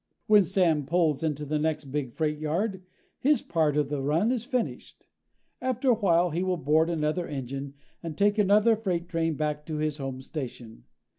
When Sam pulls into the next big freight yard, his part of the run is finished. After a while he will board another engine and take another freight train back to his home station.